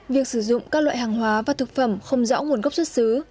việc sử dụng các loại hàng hóa và thực phẩm không rõ nguồn gốc xuất xứ